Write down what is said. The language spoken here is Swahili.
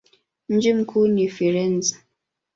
Mji mkuu ni Firenze.